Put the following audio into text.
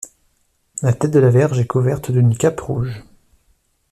La tête de la Vierge est couverte d'une cape rouge.